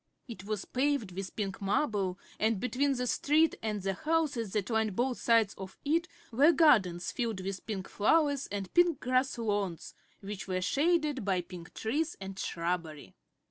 It was paved with pink marble and between the street and the houses that lined both sides of it were gardens filled with pink flowers and pink grass lawns, which were shaded by pink trees and shrubbery.